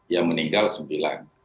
yang meninggal sebulan